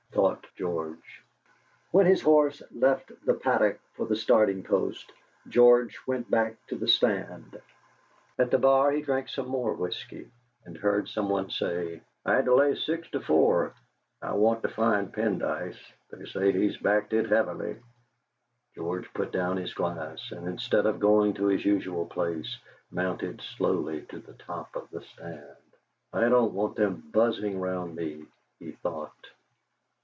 thought George. When his horse left the paddock for the starting post George went back to the stand. At the bar he drank some more whisky, and heard someone say: "I had to lay six to four. I want to find Pendyce; they say he's backed it heavily." George put down his glass, and instead of going to his usual place, mounted slowly to the top of the stand. '. don't want them buzzing round me,' he thought.